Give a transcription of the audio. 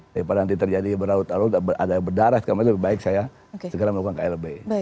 daripada nanti terjadi berawut rawut ada berdarah karena itu baik saya sekarang melakukan klb